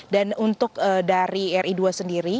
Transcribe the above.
dan untuk dari ri dua puluh satu